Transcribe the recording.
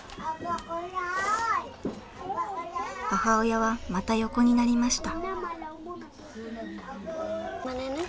母親はまた横になりました。